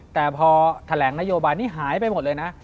แต่พอแถลงนโยบายนี้หายไปหมดเลยนะ